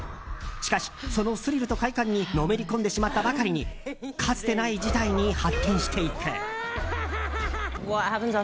しかし、そのスリルと快感にのめり込んでしまったばかりにかつてない事態に発展していく。